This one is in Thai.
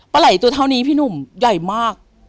ไหลตัวเท่านี้พี่หนุ่มใหญ่มาก